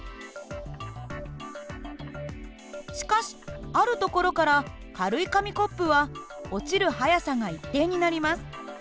しかしあるところから軽い紙コップは落ちる速さが一定になります。